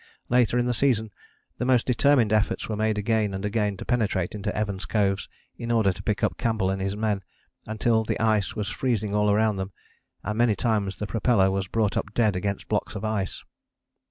Later in the season the most determined efforts were made again and again to penetrate into Evans Coves in order to pick up Campbell and his men, until the ice was freezing all round them, and many times the propeller was brought up dead against blocks of ice.